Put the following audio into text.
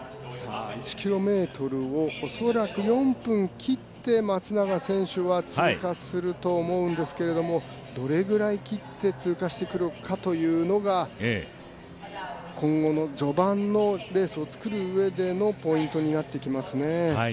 １ｋｍをおそらく４分切って松永選手は通過すると思うんですけどどれぐらい切って通過してくるかというのが、今後の序盤のレースを作るうえでのポイントになってきますね。